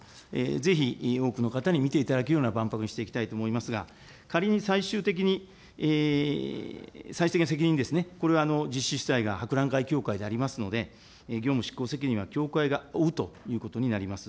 ぜひ多くの方に見ていただけるような万博にしていきたいと思いますが、仮に最終的に、最終的な責任ですね、これは実施主体が博覧会協会でありますので、業務執行責任は協会が負うということになります。